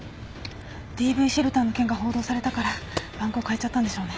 ＤＶシェルターの件が報道されたから番号変えちゃったんでしょうね。